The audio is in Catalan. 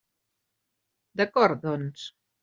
D'acord, doncs.